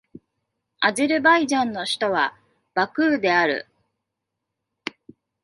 アゼルバイジャンの首都はバクーである